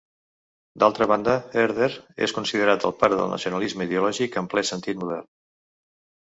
D'altra banda, Herder és considerat el pare del nacionalisme ideològic en ple sentit modern.